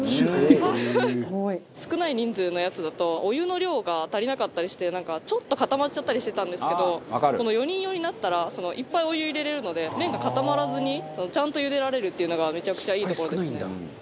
少ない人数のやつだとお湯の量が足りなかったりしてちょっと固まっちゃったりしてたんですけどこの４人用になったらいっぱいお湯入れられるので麺が固まらずにちゃんと茹でられるっていうのがめちゃくちゃいいところですね。